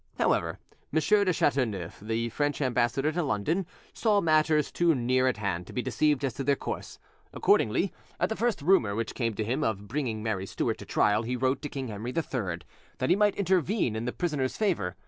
However, M. de Chateauneuf, the French ambassador to London, saw matters too near at hand to be deceived as to their course: accordingly, at the first rumour which came to him of bringing Mary Stuart to trial, he wrote to King Henry III, that he might intervene in the prisoner's favour.